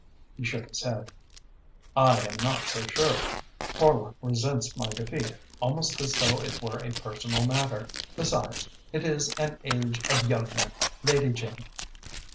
He shook his head. "I am not so sure. Horlock resents my defeat almost as though it were a personal matter. Besides, it is an age of young men, Lady Jane."